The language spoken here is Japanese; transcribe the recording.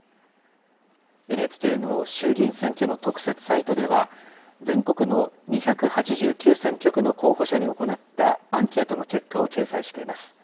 ＮＨＫの衆議院選挙の特設サイトでは、全国の２８９選挙区の候補者に行ったアンケートの結果を掲載しています。